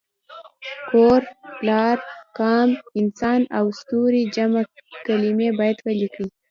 کور، لار، قام، انسان او ستوری جمع کلمې باید ولیکي.